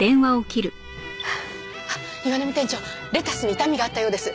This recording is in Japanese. あっ岩並店長レタスに傷みがあったようです。